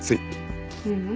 ううん。